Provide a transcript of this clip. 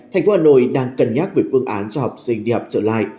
thành phố hà nội đang cân nhắc về phương án cho học sinh đi học trở lại